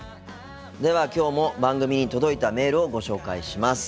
ではきょうも番組に届いたメールをご紹介します。